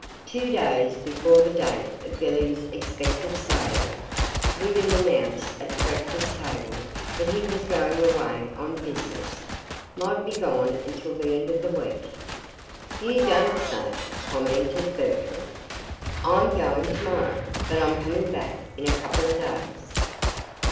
Two days before the date of Billy's expected sailing, William announced at the breakfast table that he was going away on business; might be gone until the end of the week. "You don't say," commented Bertram. "I'M going to morrow, but I'm coming back in a couple of days."